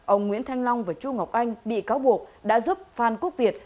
ông nguyễn thanh long và chu ngọc anh bị cáo buộc đã giúp phan quốc việt